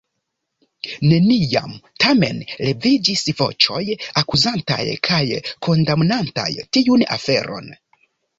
Neniam, tamen, leviĝis voĉoj akuzantaj kaj kondamnantaj tiun aferon.